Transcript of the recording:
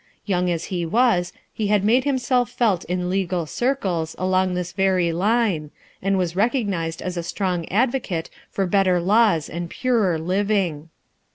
Young as he was, he had made himself felt in legal circles along this very line, and was recog nized as a strong advocate for better laws and purer living.